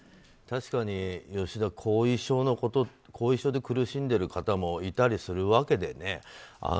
確かに、吉田後遺症で苦しんでる方もいたりするわけでね。